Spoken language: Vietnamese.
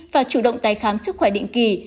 và chủ động tái khám sức khỏe định kỳ